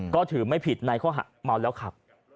ก็ถือไม่ผิดในข้อหาเมาแล้วขับ